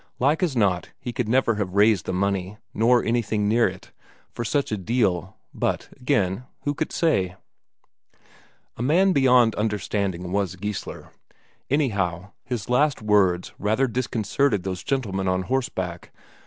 Like as not, he could never have raised the money, nor anything near it, for such a deal; but, again, who could say? A man beyond understanding was Geissler. Anyhow, his last words rather disconcerted those gentlemen on horseback.